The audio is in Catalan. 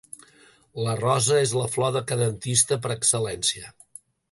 La rosa és la flor decadentista per excel·lència.